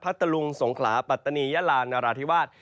ตะลุงสงขลาปัตตานียาลานราธิวาส